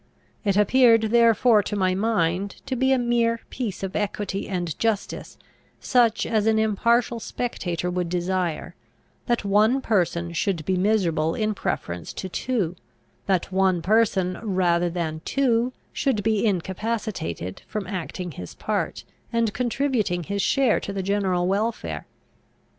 It appeared therefore to my mind, to be a mere piece of equity and justice, such as an impartial spectator would desire, that one person should be miserable in preference to two; that one person rather than two should be incapacitated from acting his part, and contributing his share to the general welfare.